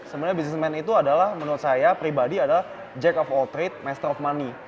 sebenarnya business man itu adalah menurut saya pribadi adalah jack of all trade master of money